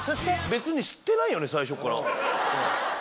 別に吸ってないよね最初から。